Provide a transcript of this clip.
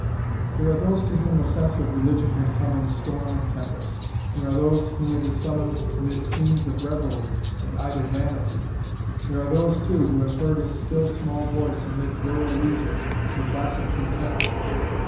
There are those to whom a sense of religion has come in storm and tempest; there are those whom it has summoned amid scenes of revelry and idle vanity; there are those, too, who have heard its "still small voice" amid rural leisure and placid contentment.